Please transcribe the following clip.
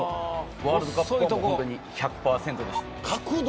ワールドカップは１００％でした。